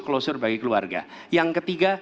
klosure bagi keluarga yang ketiga